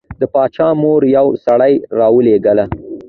د باچا مور یو سړی راولېږه.